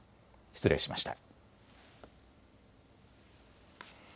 失礼しました。